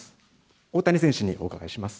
大谷選手にお伺いします。